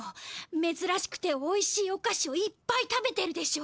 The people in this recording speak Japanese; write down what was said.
めずらしくておいしいおかしをいっぱい食べてるでしょ。